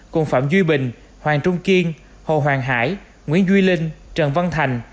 cùng phạm duy bình hoàng trung kiên hồ hoàng hải nguyễn duy linh trần văn thành